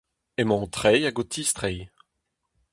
Emañ o treiñ hag o tistreiñ.